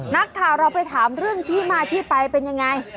นักข่าวเราไปถามเรื่องที่มาที่ไปเป็นยังไง